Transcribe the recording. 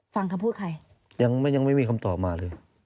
ฟังคำพูดใครยังไม่ยังไม่มีคำตอบมาเลย